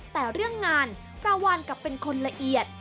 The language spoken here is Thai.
แต่เรื่องงานปลาวานกลับเป็นคนละเอียด